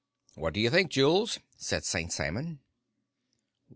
"What do you think, Jules?" said St. Simon.